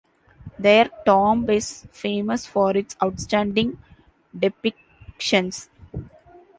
Their tomb is famous for its outstanding depictions.